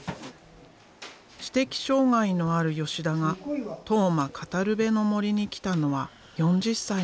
知的障害のある吉田が「当麻かたるべの森」に来たのは４０歳の時。